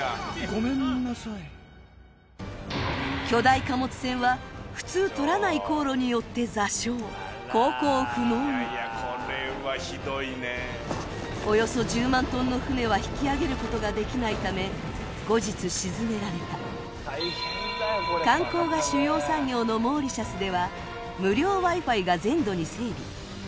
巨大貨物船は普通とらない航路によって座礁航行不能におよそ１０万トンの船は引き揚げることができないため後日沈められた観光が主要産業のモーリシャスでは無料Ｗｉ−Ｆｉが全土に整備